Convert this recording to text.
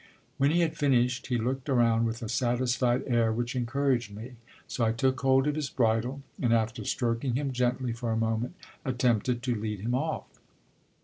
When he had finished he looked around with a satisfied air which encouraged me; so I took hold of his bridle and after stroking him gently for a moment, attempted to lead him off.